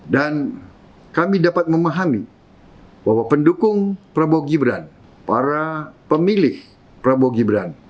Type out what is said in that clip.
dan kami dapat memahami bahwa pendukung prabowo gibran para pemilih prabowo gibran